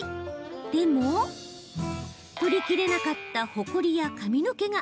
でも、取りきれなかったほこりや髪の毛が。